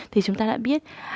thì chúng ta đã biết